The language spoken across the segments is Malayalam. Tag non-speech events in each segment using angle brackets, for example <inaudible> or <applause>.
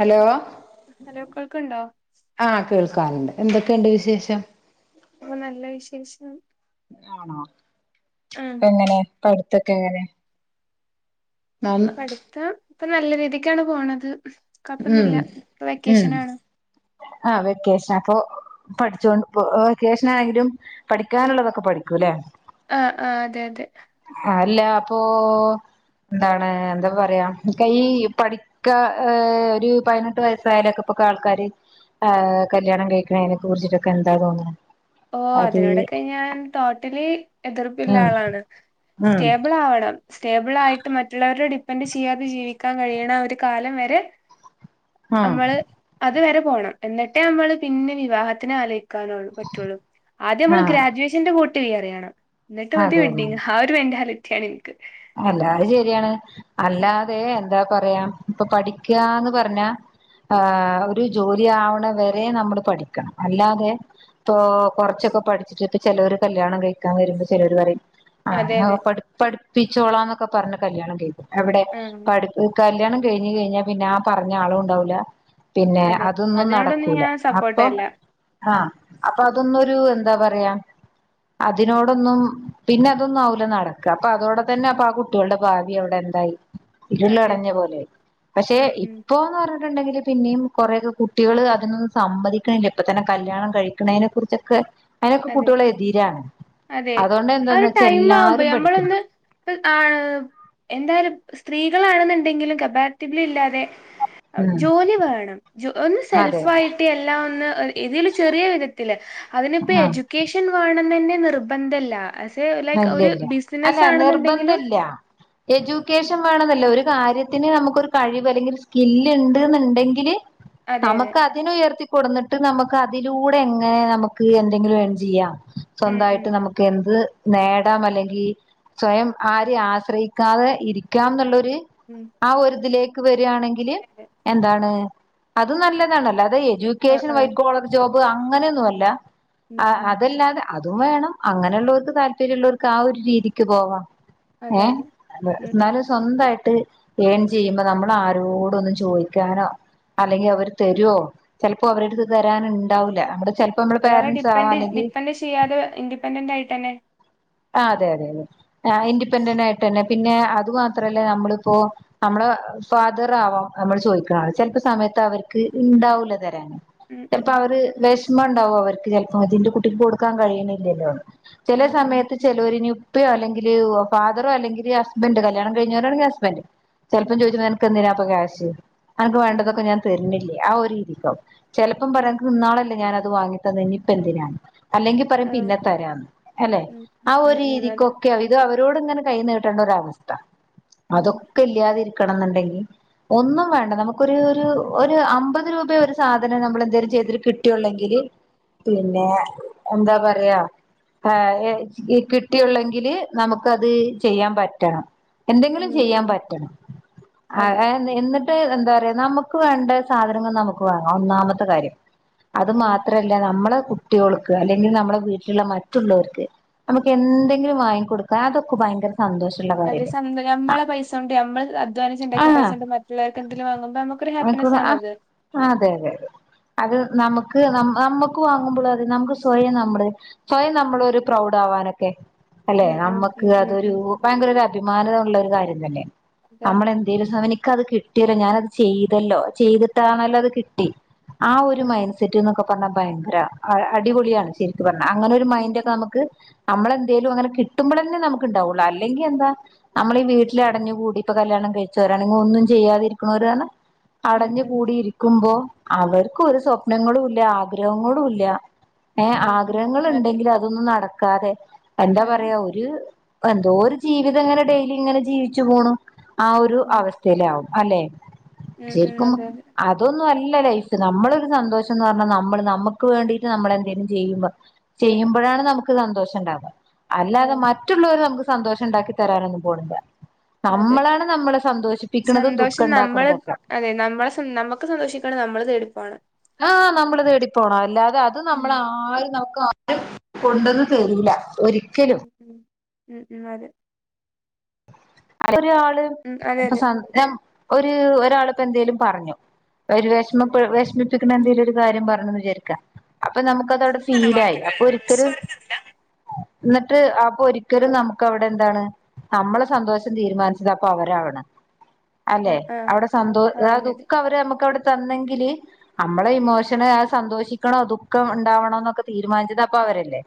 ഹലോ ഹലോ കൊൾക്കുണ്ടോ ആഹ് കേൾക്കാറുണ്ട് എന്തൊക്കെയുണ്ട് വിശേഷം ഓഹ് നല്ല വിശേഷം ആണോ ആഹ് എങ്ങനെ പഠിത്തൊക്കെ എങ്ങനെ ന പഠ്ത്തം ഇപ്പൊ നല്ല രീതിക്കാണ് പോണത് ഉം കൊയപ്പൊന്നുല്ല ഇപ്പ ഉം വെക്കേഷനാണ് ആഹ് വെക്കേഷൻ അപ്പൊ പഠിച്ചൊണ്ട്പ്പൊ വെക്കഷനാണെങ്കിലും പഠിക്കാന്ള്ളതൊക്കെ പഠിക്കും ലേ ആഹ് ആഹ് അതെ അതെ അതല്ല അപ്പൊ എന്താണ് എന്താ പറയാ ക്കെ ഈ പഠിക്കാ ഏ ഒര് പതിനെട്ട് വയസ്സായാലൊക്കെ ഇപ്പൊക്കെ ആൾക്കാര് ഏ കല്യാണം കഴിക്ക്ണേനൊക്കെ കുറിച്ചിട്ടൊക്കെ എന്താ തോന്ന്ണെ ഓഹ് അതിനോടൊക്കെ ഞാൻ ടോട്ടലി എതിർപ്പ്ല്ല ഉം ആളാണ് ഉം സ്റ്റേബിളാവണം സ്റ്റേബിളായിട്ട് മറ്റുള്ളവരെ ഡിപ്പെൻഡ് ചെയ്യാതെ ജീവിക്കാൻ കഴിയ്ണ ഒരു കാലം വരെ ആഹ് നമ്മള് അത് വരെ പോണം എന്നിട്ടേ നമ്മള് പിന്നെ വിവാഹത്തിന് ആലോയിക്കാനൊള്ളൂ പറ്റൊള്ളൂ ആദ്യം നമ്മള് ആഹ് ഗ്രാജുവേഷന്റെ കൂട്ട് <unintelligible> അറിയണം ഇന്നെട്ട് മതി അതെ വെഡിങ് ആ ഒര് മെന്റാലിറ്റി ആണ് ഇന്ക്ക് അല്ലാ അത് ശരിയാണ് അല്ലാതെ എന്താ പറയാം ഇപ്പം പഠിക്കാന്ന് പറഞ്ഞാ ആഹ് ഒര് ജോലി ആവ്ണ വരെ നമ്മള് പഠിക്കണം അല്ലാതെ ഇപ്പൊ കൊറച്ചൊക്കെ പഠിച്ചിട്ട് ചെലോര് കല്യാണം കഴിക്കാൻ വര്മ്പോ ചെലോര് പറയും അതെ ആഹ് അതെ <unintelligible> പഠി പഠിപ്പിച്ചോളാന്നൊക്കെ പറഞ്ഞ് കല്യാണം കഴിക്കും എവിടെ ആഹ് പഠി കല്യാണം കഴിഞ്ഞ് കഴിഞ്ഞാ പിന്നെ ആ പറഞ്ഞ ആളും ഉണ്ടാവൂല പിന്നെ അതെ അതൊന്നും അതിനോടൊന്നും നടക്കൂല ഞാൻ അപ്പൊ സപ്പോർട്ടല്ല ആഹ് അപ്പൊ അതൊന്നൊരു എന്താ പറയാ അതിനോടൊന്നും പിന്നെ അതൊന്നും ആവൂല നടക്ക അപ്പൊ അതോടൊ പ്പന്നെ അപ്പൊ ആ കുട്ട്യേള്ടെ ഭാവി അവിടെന്തായി ഇരുള് അതെ അടഞ്ഞ പോലായി പക്ഷെ ഉം ഉം ഇപ്പോന്ന് പറ ഞ്ഞ്ണ്ടെങ്കില് പിന്നിം കൊറേയൊക്കെ കുട്ടികൾ അതിനൊന്നും സമ്മതിക്ക്ണില്ല ഇപ്പത്തെന്നെ കല്യാണം കഴിക്ക്ണേനെ കുറിച്ചൊക്കെ അയിനൊക്കെ അതെ കുട്ട്യേള് എതിരാണ് അതെ അതുകൊണ്ട് ആ ഒരു എന്താന്ന് വെച്ചാ ടൈം ആവുമ്പോ എല്ലാരും പഠിക്ക്ണ്ട് നമ്മളൊന്ന് ഇപ്പ ആഹ് എന്തായാലും സ്ത്രീകളാണെന്ന്ണ്ടെങ്കിലും കബാറ്റിബ്ലി ഇല്ലാതെ ഉം ജോലി വേണം ജോ ഒന്ന് അതെ സെൽഫായിട്ട് എല്ലാം ഒന്ന് ഇതില് ചെറിയ വിധത്തില് അതിനിപ്പോ ആഹ് എഡ്യൂക്കേഷൻ വേണന്നെന്നെ നിർബന്ധല്ല ലൈക്ക് ഒരു ഇല്ലല്ല ബിസിനസ് ആണെന്ന്ണ്ടെങ്കിലും എജ്യൂക്കേഷൻ വേണന്നില്ല ഒരു കാര്യത്തിന് നമുക്കൊര് കഴിവ് അല്ലെങ്കില് ഒര് സ്കില്ല് ഇണ്ട്ന്ന്ണ്ടെങ്കില് അതെ അതെ നമ്മക്ക് അതിനെ ഉയർത്തി കൊട്ന്നിട്ട് നമുക്ക് അതിലൂടെ എങ്ങനെ നമുക്ക് എന്തെങ്കിലും ഏൺ ചെയ്യാം ഉം ഉം സ്വന്തായിട്ട് നമ്മ ക്കെന്ത് നേടാം അല്ലെങ്കി സ്വയം ആരിം ആശ്രയിക്കാതെ ഇരിക്കാം ന്ന്ള്ളൊര് ഉം ആ ഒര് ഇതിലേക്ക് വെരാണെങ്കില് അതെ എന്താണ് അത് നല്ലതാണല്ലൊ അത് എജു ആ ക്കേഷൻ ആ വൈ കോളർ ജോബ് അങ്ങനെയൊന്നു അല്ല ഉം അ ഉം അതല്ലാതെ അതും വേണം അങ്ങനെയുള്ളവർക്ക് താല്പര്യ ഉള്ളോർക്ക് ആ ഒര് രീതിക്ക് പോവാ അതെ ഏഹ് അതെ ഉം ഉം ഇന്നാലും സ്വന്തായിട്ട് ഏൺ ചെയ്യുമ്പോ നമ്മള് ആരോടൊന്നും ചോയ്ക്കാനോ അല്ലെങ്കി അവര് ഉം തെരോ ചെലപ്പോ അവര്ടെ അട്ത്ത് തരാന് ഇണ്ടാവൂല നമ്മടെ ചെലപ്പം നമ്മളെ ഒരാളെ പേരന്റസാവാം ഡിപ്പെൻഡ് അല്ലെങ്കി ഡിപ്പെൻഡ് ചെയ്യാതെ ഇൻഡിപെന്റൻഡ് ആയിട്ടെന്നെ ആഹ് അതെ അതെ അതെ ആഹ് ഇൻഡിപെൻഡന്റ് ആയിട്ട് തന്നെ പിന്നെ അത് മാത്രല്ല നമ്മളിപ്പോ നമ്മളെ ഫാദറാവാം നമ്മള് ചോയിക്ക്ണാള് ചെലപ്പോ സമയത്ത് അവർക്ക് ഇണ്ടാവൂല തരാന് ഉം ഉം ചെൽപ്പോ ആ ഒരു വിഷമം ഉണ്ടാവും അവർക്ക് ചെൽപ്പോ ഇന്റെ കുട്ടിക്ക് കൊടുക്കാൻ കഴിയണില്ലല്ലോന്ന് ചെലെ ഉം ഉം സമയത്ത് ചെലൊര് ഇനി ഉപ്പയോ അല്ലെങ്കില് ഫാദറോ അല്ലെങ്കിൽ ഹസ്ബന്റ് കല്യാണം കഴിഞ്ഞവരാണെങ്കിൽ ഹസ്ബന്റ് ചെൽപ്പം ഉം ചോദിച്ചും നിനക്ക് എന്തിനാ ഇപ്പൊകാശ് അനക്ക് വേണ്ടതൊക്കെ ഉം ഞാൻ തരുന്നില്ലേ ആ ഒരു രീതിക്കാവും ചെലപ്പം പറയും ഉം അനക്ക് ഇന്നാളല്ലെ ഞാനത് വാങ്ങി തന്നത് ഇനിപ്പ എന്തിനാന്ന് അല്ലെങ്കി പറയും ആഹ് പിന്നെ തരാന്ന് അല്ലെ ഉം ആ ഉം ഒരു ഉം ഉം അതെ രീതിക്കൊക്കെ ഇത് അവരോട് ഇങ്ങനെ കൈ നീട്ടേണ്ട ഒരവസ്ഥ അതൊ ഉം ക്കെ ഇല്യാതിരിക്കണം എന്നുണ്ടെങ്കിൽ ഒന്നും വേണ്ട നമുക്കൊരു ഒരു അമ്പത് രൂപ ഒരു സാധനം നമ്മൾ എന്തേലും ചെയ്തിട്ട് കിട്ടിയുള്ളെങ്കില് പിന്നെ എന്താ പറയാ <unintelligible> ഈ കിട്ടിയുള്ളെങ്കില് നമുക്കത് ചെയ്യാൻ പറ്റണം എന്തെങ്കിലും ഉം ചെയ്യാൻ ഉം പറ്റണം അ അതെ <unintelligible> എന്നിട്ട് എന്താ പറയാ നമുക്ക് വേണ്ട സാധനങ്ങൾ നമുക്ക് വാങ്ങാം ഒന്നാമത്തെ കാര്യം അത് ഉം മാത്രല്ല നമ്മളെ കുട്ടികൾക്ക് അല്ലെങ്കിൽ നമ്മളെ വീട്ടിലുള്ള മറ്റുള്ളവർക്ക് നമുക്ക് എന്തെങ്കിലും വാങ്ങി കൊടുക്കാൻ അതൊക്കെ ഭയങ്കര സന്തോഷ അതെ സന്ത നമ്മളെ പൈസോണ്ട് നമ്മള് അധ്വാനിച്ചുണ്ടാക്കിയ ആഹ് പൈസോണ്ട് മറ്റുള്ളോർക്ക്ന്തെങ്കിലും വാങ്ങുമ്പോ നമുക്കൊരു ഹാപ്പി ആയിക്കൂട പ്പിനെസ്സാണല്ലോ അത് ആഹ് അതെ അതെ അതെ അത് നമുക്ക് ന നമുക്ക് വാങ്ങുമ്പോൾ അതെ നമുക്ക് സ്വയം നമ്മള് സ്വയം നമ്മളൊരു <unintelligible> ഇതാവാനൊക്കെ അല്ലെ ഉം ഉം നമ്മുക്ക് ഉം ഉം അതൊരു ഉം ഭയങ്കര ഒരു അഭിമാനള്ളൊരു കാര്യം തന്നെ അതെ നമ്മളെന്തേലും സമം എനിക്കത് കിട്ടില്ലോ ഞാനത് ചെയ്തല്ലോ ചെയ്തിട്ടാണല്ലോ അത് കിട്ടി ആ ഒരു ഉം മൈൻഡ് സെറ്റ് എന്നൊക്കെ പറഞ്ഞാ ഭയങ്കര അഹ് ഉം അടിപൊളിയാണ് ഉം ശരിക്കു പറഞ്ഞൽ അങ്ങനെരു ഉം മൈൻഡ് ഒക്കെ ഉം നമുക്ക് നമ്മളെന്തേലും അങ്ങനെ കിട്ടുമ്പോൾ തന്നെ നമുക്ക്ണ്ടാവുള്ളൂ അല്ലെങ്കി എന്താ നമ്മളീ വീട്ടില് അടഞ് കൂടിപ്പൊ കല്യാണം കഴിച്ചവരാണെങ്കി ഒന്നും ചെയ്യാതിരിക്കുന്നവരാണ് അടഞ്ഞു ഉം കൂടിയിരിക്കുമ്പോ അവർക്ക് ഒരു സ്വപ്നങ്ങളും ഇല്ല ആഗ്രഹങ്ങളും ഇല്ല ഏഹ് ഉം ഉം ഉം അതെ ആഗ്രഹങ്ങളുണ്ടെങ്കിൽ അതൊന്നും നടക്കാതെ എന്താ അതെ പറയാ ഒരു എന്തോ ഒരു ജീവിതം ഇങ്ങനെ ഡെയിലി ഇങ്ങനെ ജീവിച്ചു പോണു ആ ഉം ഒരു ഉം അവസ് സ്ഥലാവും അല്ലെ ഉം ഉം ശരിക്കും അതെ അതെ അതൊന്നും അല്ല ലൈഫ് നമ്മളൊരു സന്തോഷന്ന് പറഞ്ഞാൽ നമ്മള് നമ്മുക്ക് വേണ്ടിട്ട് നമ്മൾ എന്തേലും ചെയ്യുമ്പോ ചെയ്യുമ്പഴാണ് നമുക്ക് സന്തോഷം ഉണ്ടാണത് അല്ലാതെ ആഹ് മറ്റുള്ളോര് നമുക്ക് സന്തോഷം ഉണ്ടാക്കി തരാനൊന്നും പോണില്ല അതെ നമ്മളാണ് നമ്മളെ സന്തോഷിപ്പിക്കുന്നതും ദുഃഖം സന്തോഷം നമ്മള് ഉണ്ടാക്കൻതൊക്കെ അതെ നമ്മളെ നമുക്ക് സന്തോഷിക്കണ നമ്മള് തേടിപ്പോണം ആഹ് നമ്മള് തേടി പോണം അല്ലാതെ അത് ഉം നമ്മളെ ആരും നമുക്ക്‌ കൊണ്ടന്നു തരൂല ഒരിക്കലും ഉം ഉം ഉം അതെ ഒരാള് ഉം അതെ അപ്പൊ അതെ സാ <unintelligible> ഒരു ഒരാളിപ്പോ എന്തെലും പറഞ്ഞു ഒരു വിഷമ വിഷമിപ്പിക്കുന്ന ഉം എന്തേങ്കിലും ഒരു കാര്യം പറഞ്ഞന്ന് വിചാരിക്ക അപ്പൊ നമുക്കതവിടെ ഫീലായി അപ്പൊ ഒരിക്കലും എന്നിട്ട് അപ്പൊ ഒരിക്കലും നമുക്ക് അവിടെ എന്താണ് നമ്മളെ സന്തോഷം തീരുമാനിച്ചത് അപ്പ അവരാണ് അല്ലെ ആഹ് ആഹ് അവിടെ സന്തോ ആഹ് ആ അതെ അതെ ദുഃഖം അവര് നമുക്കവിടെ തന്നെങ്കില് നമ്മളെ ഉം ഇമോഷന് അഹ് സന്തോഷിക്കണം ദുഃഖം ഉണ്ടാവണോ എന്നൊക്കെ തീരുമാനിച്ചത് അപ്പൊ അവരല്ലേ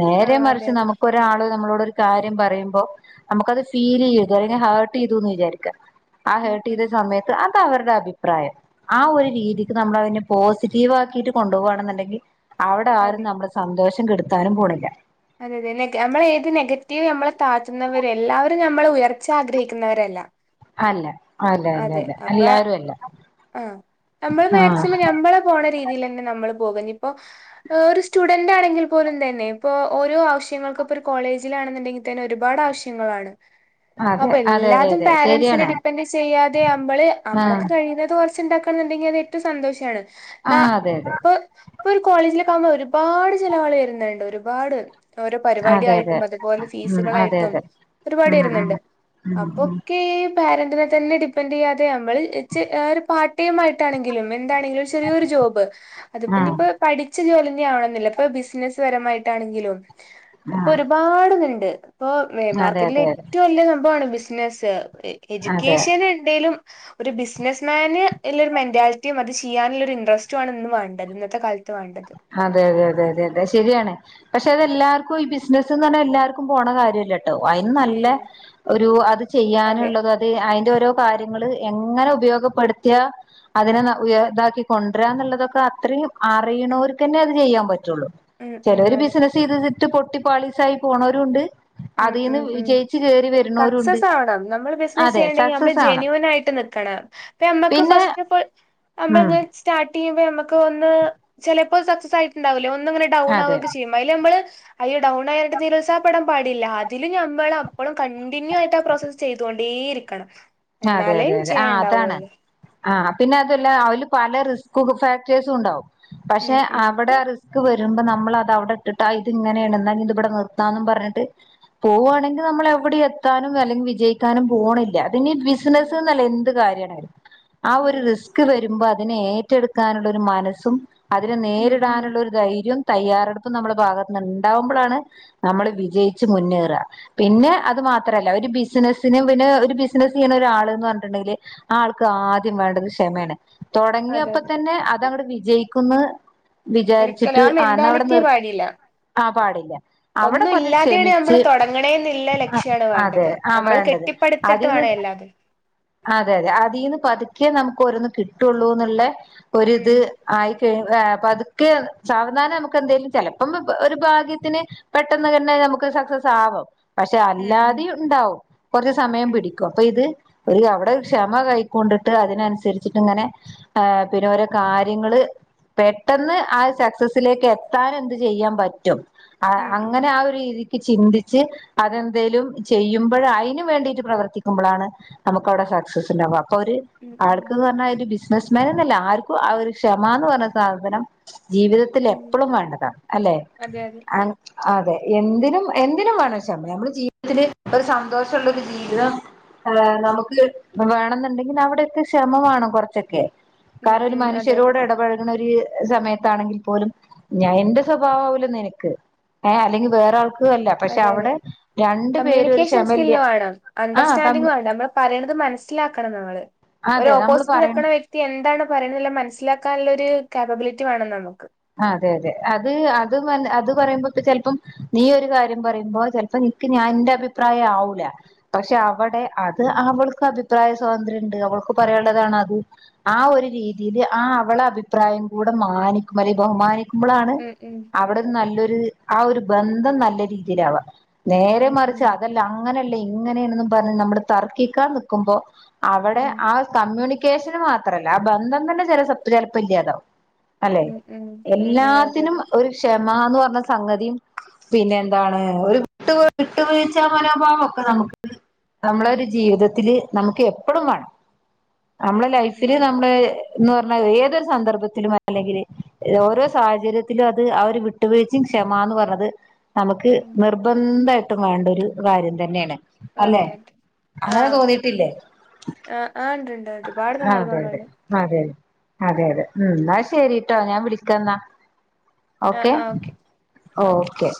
നേരെ ആഹ് അതെ മറിച്ച് അതെ നമുക്ക് ഒരാള് നമ്മളോട് ഒരു കാര്യം പറയുമ്പോ നമുക്കത് ഫീൽ ചെയ്യും <unintelligible> ഹേർട്ട് ചെയ്തുന്ന് വിചാരിക്കാം ആ ഉം ഹേർട്ട് ഉം ചെയ്ത സമയ ത്ത് അതഅവരുടെ അഭിപ്രായം ആ ഒരു ഉം രീതിക്ക് നമ്മളതിനു പോസിറ്റീവ് ആക്കീട്ട് കൊണ്ടൊവാണ് ന്ന് ഇണ്ടെങ്കി അവടെ ആരും അതെ നമ്മള് സന്തോഷം കെടുത്താനും പോണില്ല. അതെ അതെ നെ നമ്മൾ ഏത് നെഗറ്റീവ് നമ്മളെ താത്തുന്നവരും എല്ലാവരും നമ്മളെ ഉയർച്ച ആഗ്രഹിക്കുന്നവരല്ല. അല്ല അല്ല അല്ല അതെ അല്ല അപ്പൊ എല്ലാരും അല്ല ആഹ് നമ്മള് ആഹ് മാക്സിമം നമ്മളെ പോണെ രീതിയിൽ തന്നെ നമ്മള് പോക ഇഞ്ഞിപ്പോ ഒരു സ്റ്റുഡന്റ് ആണെങ്കിൽ പോലും തന്നെ ഇപ്പോ ഓരോ ആവശ്യങ്ങൾക്ക്‌ ഇപ്പോ ഒരു കോളേജിലാണെന്നുണ്ടെങ്കി തന്നെ ഒരുപാട് ആവശ്യങ്ങളാണ്. അതെ അപ്പൊ അതെ അതെ എല്ലാതും അതെ പാരന്റ്സിനെ ശരിയാണ് ഡിപ്പെൻഡ് ചെയ്യാതെ അമ്മള് ആഹ് അമ്മക്ക് കഴിയുന്ന ത് കൊർച്ച്ണ്ടാക്ക എന്നുണ്ടെങ്കി അത് ഏറ്റവും സന്തോഷാണ് ന ആഹ് അതെ അതെ ഇപ്പ് പ്പൊ ഒരു കോളേജിലക്ക ആകുമ്പോ ഒരുപാട് ചെലവാള് വരുന്നുണ്ട് ഒരുപാട് ഓരോ പരിപാടി അതെ അതെ ആയിട്ടും അതുപോലെ ഉം അതെ ഫീസുകളായിട്ടും അതെ ഒരുപാടി ഉം വരുന്നുണ്ട് ഉം ഉം ഉം അപ്പൊക്കെ പാരന്റിെനതന്നെ ഡിപ്പൻഡ് ചെയ്യാതെ നമ്മള് പാ ടൈം ആയിട്ടാണെങ്കിലും എന്താണെങ്കി ചെറിയൊരു ജോബ് അത് ഇപ്പ ആഹ് ഇഞ്ഞിപ്പ പഠിച്ച ജോലി തന്നെയ ആവണെന്നില്ല ഇപ്പൊ ബിസിനസ്സ് പരമായിട്ടാണെങ്കിലും ഇപ്പൊ ആഹ് ഒരുപാട്ത്ണ്ട് ഇപ്പൊ അതെ മാർക്കറ്റിലെ അതെ അതെ ഏറ്റവും വല്യ സംഭവാണ് ബിസ് സിനസ് അതെ എജുക്കേഷൻ ഇണ്ടേലും ഒരു ബിസിനസ് മാന് ഇല്ലൊരു മെന്റാലിട്ടിം അത് ചെയ്യാനുള്ള ഒരു ഇൻട്രറസ്റ്റു ആണ് ഇന്ന് വേണ്ടത് ഇന്നത്തെ കാലത്ത് വേണ്ടത് അതെ അതെ അതെ അതെ അതെ ശരിയാണ് പക്ഷെ അതെല്ലാവർക്കും ഈ ബിസിനസ്സ്ന്ന് പറഞ്ഞാ എല്ലാർക്കും പോണ കാര്യല്ല ട്ടോ അതിന് നല്ല ഉം ഒരു അത് അതെ ചെയ്യാനുള്ളത് അത് അതിന്റെ ഓരോ കാര്യങ്ങള് എങ്ങനെ ഉപയോഗപ്പെടുത്തിയ അതിനെ ഉയ ഇതാക്കി കൊണ്ട്രന്നുള്ളതൊക്കെ അത്രീം ആ റീണോര്ക്കെന്നെ അത് ചെയ്യാൻ പറ്റൊള്ളൂ ഉം ഉം ചെലോര് അതെ ബിസിന സ് ചെയ്തിട്ട് പൊട്ടി പാളിസായി പോണോരും ഇണ്ട് ഉം ഉം ഉം സക്സസ് ആവണം നമ്മൾ ബിസിനസ് അതെ ചെയ്യണ്ടെങ്കിൽ നമ്മള് സക്സസ് ആവണം ജെനൂനായിട്ട് നിക്കണം. ഇപ്പ ഞമ്മക്ക് പിന്നെ ഫസ്റ്റ് ഫോൾ ഉം ഞമ്മൾങ്ങ നെ സ്റ്റാർട്ട് ചെയ്യുമ്പോ നമുക്ക് ഒന്ന് ചെലെപ്പോ അത് സക്സസ് ആയിട്ട്ണ്ടാവില്ല ഒന്ന് ഇങ്ങനെ ഡൗൺ അതെ ആവൊക്കെ ചെയ്യും. അയ്‌ലമ്മള് അയ്യോ ഡൗണായിട്ട് നിരാസപ്പെടാൻ പാ ടില്ല അതില് ഞമ്മൾ അപ്പളും കണ്ടിന്യൂ ആയിട്ട് ആ പ്രോസസ് ചെയ്തോണ്ടേ ഇരിക്കണം ആ അതെ എന്നാലേ അതെ അതെ ആ വിജയം അതാണ് ഉണ്ടാവുള്ളൂ ആ പിന്നെ അതല്ല അവല് പല റിസ്ക് ഫാക്ടേഴ്സും ഇണ്ടാവും പക്ഷെ ഉം ഉം അവിടെ റിസ് ക്ക്‌ വരുമ്പോ നമ്മൾ അത് അവിടെ ഇട്ടിട്ട് ഇത് ഇങ്ങനേണ് ഇന്ന ഇത് ഇവിടെ നിർത്താന്നും പറഞ്ഞിട്ട് പോവാണെങ്കി നമ്മൾ എവിടിം എത്താനും അല്ലെങ്കി വിജയിക്കാനും പോണില്ല. പിന്നെ ഈ ബിസിനസ്ന്നല്ല എന്ത് കാര്യണെങ്കിലും ആ ഉം ഒരു റിസ്ക് വരുമ്പോ അതിനെ ഏറ്റെടുക്കാനുള്ള ഒരു മനസ്സും അതിനെ ഉം ഉം നേരിടാനുള്ള ഒരു ധൈര്യം തയ്യാറെടുപ്പും നമ്മുടെ ഭാഗത്തന്ന് ഇണ്ടാവുമ്പളാണ് നമ്മള് വിജയിച്ചു മുന്നേറ പിന്നെ അത് മാത്രല്ല ഒരു ബിസിനസിന് പിന്നെ ഒരു ബിസ് സിനസ് ചെയ്യണ ഒരാൾ എന്ന് പറഞ്ഞിട്ടുണ്ടെങ്കിൽ ആ ആൾക്ക് ആദ്യം വേണ്ടത് ക്ഷമേണ് അതെ അതെ തൊടങ്ങിയപ്പതന്നെ അതങ്ങട്ട് വിജയിക്കുന്ന് ഒരിക്കലും വിചാരിച്ചിട്ട് ആ ആന്ന അവിടെ മെന്റാലിറ്റിയെ നിർ പാടില്ല ആ പാടില്ല അവിടെ ഒന്നും കൊർച്ച് ഇല്ലാതെയാണ് ക്ഷമിച്ച്, നമ്മള് തുടങ്ങണേന്നുള്ള ആ ലക്ഷ്യാണ് അതെ, വേണ്ടത് ആ നമ്മള് വേണ്ടത് കെട്ടിപ്പടുത്തിട്ട് അതിന്ന് വേണം എല്ലാതും അതെ അതെ അതീന്ന് പതുക്കേ നമുക്ക് ഓരോന്ന് കിട്ടൊള്ളൂ എന്നുള്ള ഒരിത് ഉം ആയിക്കഴ പതുക്കെ സാവധാന നമുക്ക് എന്തേലും ചെലപ്പം ഒരു ഭാഗ്യത്തിന് പെട്ടെന്ന് തന്നെ നമക്ക് സക്സസ് ആവും പക്ഷെ ഉം ഉം അല്ലാതെ ഇണ്ടാവും കൊറ്ച് സമയം ഉം പിടി അപ്പൊ ഇത് ഒര് അവിടെ ക്ഷമ കൈക്കൊണ്ടിട്ട് അതിനൻസരിച്ചിട്ട് ഇങ്ങനെ ആഹ് പിന്ന ഓരോ കാര്യങ്ങള് പെട്ടെന്ന് ആഹ് സക്സസിലേക്ക് എത്താനെന്ത് ചെയ്യാ പറ്റും ഉം അങ്ങനെ ആഹ് ഒര് രീതി ചിന്തിച്ച് അതെന്തേലും ചെയ്യുമ്പഴ അയിന് വേണ്ടീട്ട് പ്രവർത്തിക്ക നമുക്കവിടെ സക്സസ് ഇണ്ടാവ അപ്പൊ അവര് ഉം ഉം ഉം ആൾക്ക്ന്നർഞ്ഞാ ഒര് ബിസ് ബിസിനസ്മാന് ന്നല്ല ആർക്കും ആഹ് ഒര് ക്ഷമാന്ന് പർഞ്ഞ സാധനം ജീവിത ഉം എപ്പളും വേണ്ടത അല്ലെ അതെ അതെ അതെ എന്തിനും എന്തിനും വേണം ക്ഷമ നമ്മള് ജീവിതത്തില് ഒരു സന്തോഷള്ളൊരു ജീവിതം നമുക്ക് വേണെന്ന്ണ്ടെങ്കി അവിടൊക്കെ ക്ഷമ വാണം കൊറ്ച്ചൊക്കെ ഉം കാര്ണം ഒര് ഉം അതെ മനുഷ്യരോട് ഇടപഴ ണൊര് സമയത്താണെങ്കിൽ പോലും ഞാൻ എന്റെ സ്വഭാവാവൂല നിനക്ക് ഏഹ് അല്ലെങ്കി വേറെ ആൾക്ക് അല്ല പക്ഷെ അതെ അതെ അവിടെ രണ്ടു പേരും ഒര് കമ്മ്യൂണിക്കേഷൻ ക്ഷമല്യ ആഹ് പറയ്ണത് മനസ്സിലാക്കണം നമ്മള് ഒരു അതെ നമ്മള് ഓപ്പോസിറ്റ് പറയണ്ട നിക്ക്ണ വ്യ എന്താണ് പറയുന്നത് മനസ്സിലാക്കാനുള്ള ഒര് കറബ്ളിലിറ്റി വാണം നമുക്ക് ആഹ് അതെ അതെ അത് അത് അത് പറയുമ്പൊക്ക ചെൽപം നീ ഒര് കാര്യം പറയുമ്പൊ ചെൽപ്പൊ നിക്ക് ഞാൻ ഇന്റ അഭിപ്രായം ആവൂല പക്ഷെ അവിടെ അത് അവൾക്ക് അഭിപ്രായ സ്വാന്ത്ര്യണ്ട് അവൾക്ക് പറയാള്ളതാണ് അത് ആഹ് ഒര് രീതിയില് ആഹ് അവളെ അഭിപ്രായം കൂട മാനി മലി ബഹുമാനിക്കുമ്പളാണ് ഉം ഉം അവിടെ നല്ലൊരു ആഹ് ഒര് ബന്ധം നല്ല രീതിയിലാവ നേരെ ഉം മറിച്ച് ഉം അതല്ല അങ്ങനല്ലെ ഇങ്ങനേണ്ന്നും പറഞ്ഞ് നമ്മള് തർക്കിക്കാ നിക്കുമ്പൊ അവിടെ ഉം ആഹ് കമ്മ്യൂണിക്കേഷന് മാത്രല്ല ആഹ് ബന്ധം തന്നെ ചെല ചെൽപ്പ ഇല്ലാതാവും അല്ലെ ഉം ഉം ഉം അതെ എല്ലാത്തിനും അതെ ഒരു ക്ഷമാന്ന് പർഞ്ഞ സംഗതിം പിന്നെ എന്താണ് ഒരു വിട്ട് വിട്ടുവീഴ്ച്ച മനോഭാവൊക്ക നമക്ക് നമ്മളൊര് ജീവിതത്തില് നമ്മക്ക് എപ്പളും വാണം നമ്മള ഉം ഉം ഉം ലൈഫില് നമ്മള് ഇന്ന് പർഞ്ഞ ഏതൊരു സന്ദർഭത്തിലും അല്ലെങ്കില് ഓരോ സാഹചര്യത്തിലും അത് അവര് വിട്ടുവീഴ്ച്ചിം ക്ഷമാന്ന് പർഞ്ഞത് നമുക്ക് ഉം നിർബന്ധായിട്ടും വേണ്ടൊര് കാര്യം തന്നേണ് അതെ അതെ ആഹ് ആഹ് ആഹ് ഇണ്ട് ഇണ്ട് ഒരുപാട് അതെ അതെ സന്ദർഭങ്ങള് അതെ അതെ അതെ ഉം ഇന്നാ ശരീട്ടോ ഞാൻ വിളിക്കാന്നാ ആഹ് ഓക്കെ ആഹ് ഓക്കെ